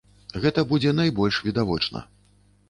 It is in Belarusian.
Гэта будзе найбольш відавочна.